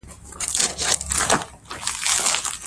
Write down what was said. هغې د کورني ژوند د خوښۍ او سولې لپاره کار کوي.